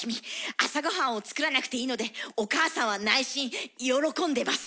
朝ごはんを作らなくていいのでお母さんは内心喜んでます。